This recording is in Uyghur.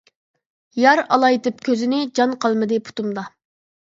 يار ئالايتىپ كۆزىنى، جان قالمىدى پۇتۇمدا.